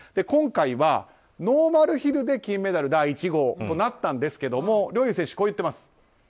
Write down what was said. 今回は、ノーマルヒルで金メダル第１号となったんですが陵侑選手はこう言っています。